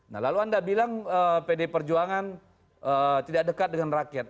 nah lalu anda bilang pdi perjuangan tidak dekat dengan rakyat